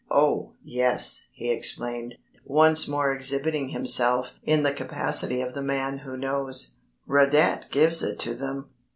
"Oh, yes," he explained, once more exhibiting himself in the capacity of the man who knows, "Radet gives it to them.